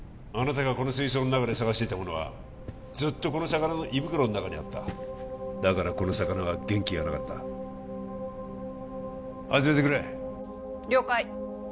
あなたがこの水槽の中で捜していたものはずっとこの魚の胃袋の中にあっただからこの魚は元気がなかった始めてくれ了解